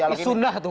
tapi sunnah tuh